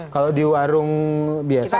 kalau di warung biasa